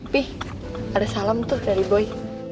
pih ada salam tuh dari boy